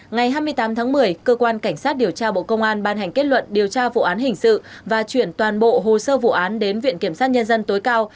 ngày hai mươi tám tháng một mươi cơ quan cảnh sát điều tra bộ công an ban hành kết luận điều tra vụ án hình sự và chuyển toàn bộ hồ sơ vụ án đến viện kiểm sát nhân dân tối cao